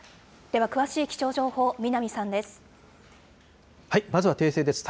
では詳しい気象情報、南さんです。